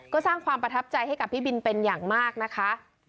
ก็สร้างความประทับใจให้กับพี่บินเป็นอย่างมากนะคะ